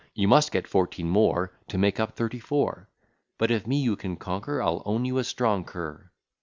You must get fourteen more, To make up thirty four: But, if me you can conquer, I'll own you a strong cur."